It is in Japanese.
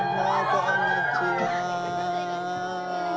こんにちは。